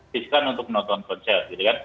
disisihkan untuk menonton konser